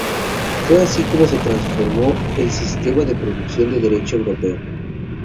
Fue así como se transformó el sistema de producción de Derecho europeo.